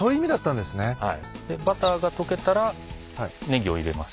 でバターが溶けたらネギを入れます。